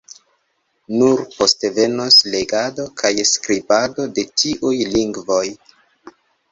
Nur poste venos legado kaj skribado de tiuj lingvoj.